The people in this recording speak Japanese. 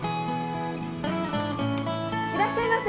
いらっしゃいませ。